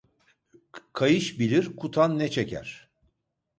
Kayış bilir kutan ne çeker.